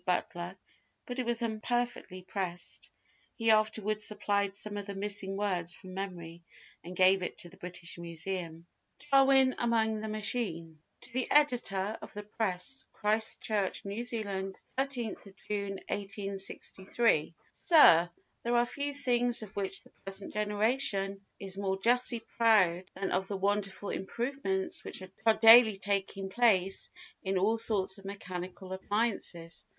Butler, but it was imperfectly pressed; he afterwards supplied some of the missing words from memory, and gave it to the British Museum. Darwin among the Machines [To the Editor of the Press, Christchurch, New Zealand—13 June, 1863.] Sir—There are few things of which the present generation is more justly proud than of the wonderful improvements which are daily taking place in all sorts of mechanical appliances.